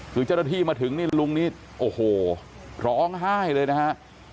คือเจ้าหน้าที่มาถึงนี่ลุงนี่โอ้โหร้องไห้เลยนะฮะ